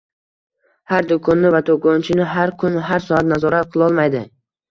Har do'konni va do'konchini har kun, har soat nazorat qilolmaydi.